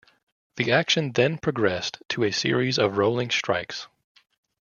The action then progressed to a series of rolling strikes.